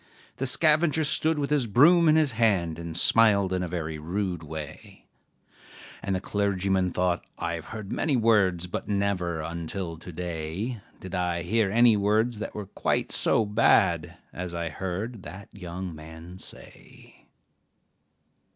The scavenger stood with his broom in his hand, And smiled in a very rude way; And the clergyman thought, 'I have heard many words, But never, until to day, Did I hear any words that were quite so bad As I heard that young man say.'